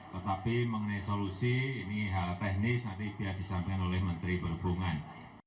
tetapi mengenai solusi ini hal teknis nanti biar disampaikan oleh menteri perhubungan